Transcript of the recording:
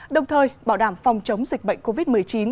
đồng thời bảo đảm phòng chống dịch bệnh covid một mươi chín